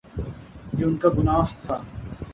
یہ ان کا گناہ تھا۔